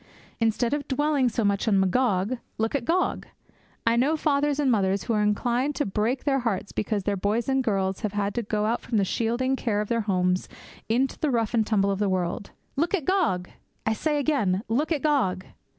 Instead of dwelling so much on Magog, look at Gog. I know fathers and mothers who are inclined to break their hearts because their boys and girls have had to go out from the shielding care of their homes into the rough and tumble of the great world. Look at Gog, I say again, look at Gog!